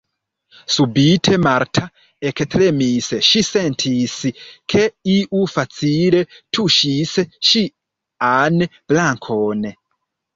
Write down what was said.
Subite Marta ektremis, ŝi sentis, ke iu facile tuŝis ŝian brakon.